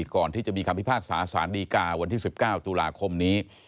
ก่อนที่จะมีคำพิพากษาสารดีกาวันที่๑๙ตุลาคมนี้